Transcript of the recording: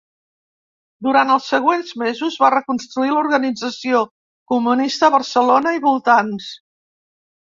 Durant els següents mesos va reconstruir l'organització comunista a Barcelona i voltants.